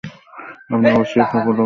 আপনি অবশ্যই সফল হবেন।